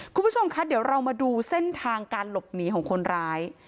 คุณผู้ชมคะเดี๋ยวเรามาดูเส้นทางการหลบหนีของคนร้าย